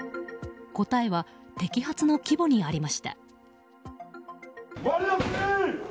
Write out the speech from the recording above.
答えは摘発の規模にありました。